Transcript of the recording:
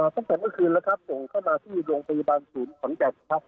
ตั้งแต่เมื่อคืนแล้วครับส่งเข้ามาที่โรงพยาบาลศูนย์ขอนแก่นครับ